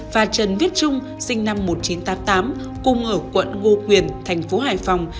và trần viết trung sinh năm một nghìn chín trăm tám mươi tám cùng ở quận ngô quyền thành phố hải phòng